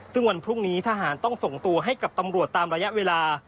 ซึ่งวันพรุ่งนี้ทหารต้องส่งตัวให้กับตำรวจตามระยะเวลา